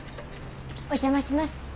お邪魔します。